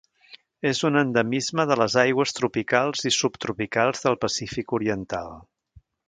És un endemisme de les aigües tropicals i subtropicals del Pacífic oriental.